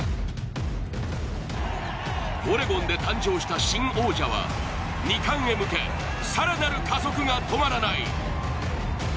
オレゴンで誕生した新王者は２冠へ向け更なる加速が止まらない。